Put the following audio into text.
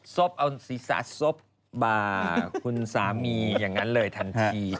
ซบเอาศีรษะซบคุณสามีอย่างนั้นเลยทันที